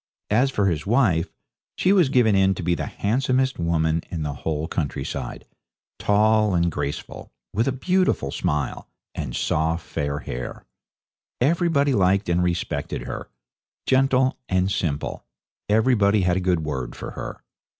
As for his wife, she was given in to be the handsomest woman in the whole countryside tall and graceful, with a beautiful smile, and soft fair hair. Everybody liked and respected her, gentle and simple everybody had a good word for her.